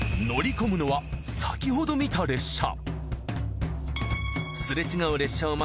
乗り込むのは先ほど見た列車。